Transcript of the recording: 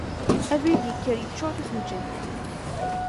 Abrid yekker yeččur d ixmjan.